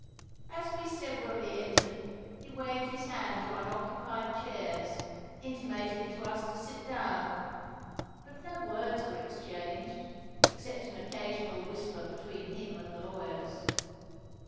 As we severally entered, he waved his hand to unoccupied chairs, intimating to us to sit down; but no words were exchanged, except an occasional whisper between him and the lawyers.